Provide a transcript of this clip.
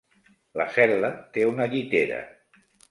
La cel·la té una llitera.